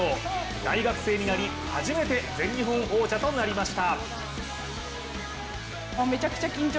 大学生になり初めて全日本王者となりました。